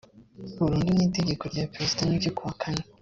burundu n iteka rya perezida n ryo ku wa kane